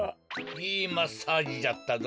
いいマッサージじゃったぞ。